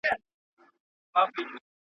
زلزله به یې په کور کي د دښمن سي